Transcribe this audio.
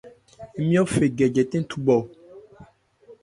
Ńmyɔ́ fê gɛ jɛtɛn thubhɔ.